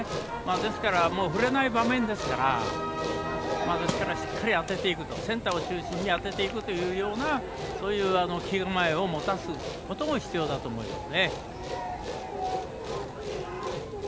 ですから、振れない場面ですからしっかり当てていくセンターを中心に当てていくようなそういう気持ちをもたせることも大切だと思います。